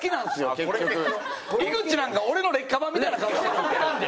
井口なんか俺の劣化版みたいな顔してるので。